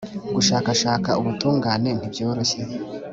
Gushakashaka ubutungane ntibyoroshye